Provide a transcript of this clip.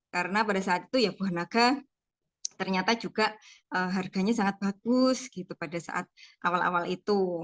karena pada saat itu ya buah naga ternyata juga harganya sangat bagus gitu pada saat awal awal itu